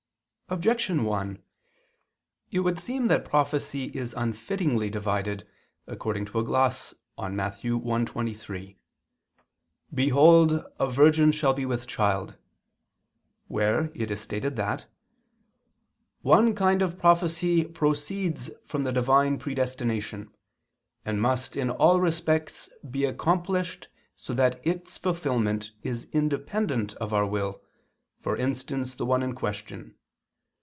Objection 1: It would seem that prophecy is unfittingly divided according to a gloss on Matt. 1:23, "Behold a virgin shall be with child," where it is stated that "one kind of prophecy proceeds from the Divine predestination, and must in all respects be accomplished so that its fulfillment is independent of our will, for instance the one in question.